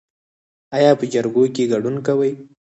ایا په جرګو کې ګډون کوئ؟